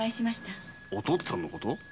お父っつぁんのこと？